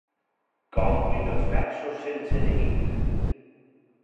Que omplin els versos sense neguit.